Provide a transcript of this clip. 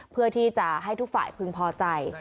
เพื่อที่จะให้ทุกฝ่ายพึงพอใจ